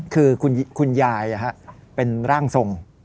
คือคุณยายเป็นร่างทรง